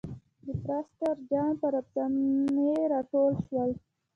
د پرسټر جان پر افسانې را ټول شول.